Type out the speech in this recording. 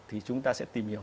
thì chúng ta sẽ tìm hiểu